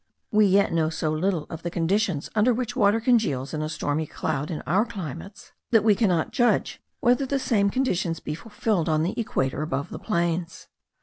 We yet know so little of the conditions under which water congeals in a stormy cloud in our climates, that we cannot judge whether the same conditions be fulfilled on the equator above the plains.